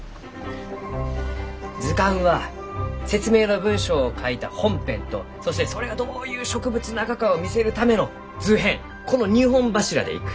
図鑑は説明の文章を書いた本編とそしてそれがどういう植物ながかを見せるための図編この２本柱でいく。